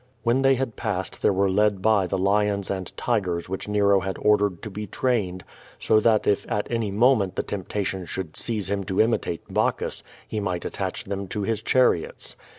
When they had passed there were led by the lions and tigers which Nero had ordered to be trained so that if at any moment the temptation should seize him to imitate Bacclius, he might attach them to his chariots.